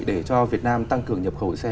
để cho việt nam tăng cường nhập khẩu xe